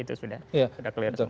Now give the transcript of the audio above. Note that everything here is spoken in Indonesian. itu sudah clear